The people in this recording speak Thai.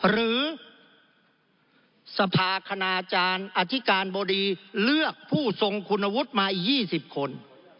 หรือสภาคณาจารย์อธิการบดีเลือกผู้ทรงคุณวุฒิมาอีก๒๐คน